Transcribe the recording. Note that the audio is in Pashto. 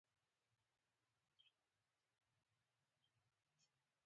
د ده زامن او لمسیان په شخړو لګیا شول.